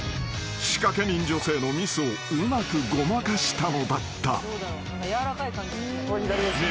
［仕掛け人女性のミスをうまくごまかしたのだった］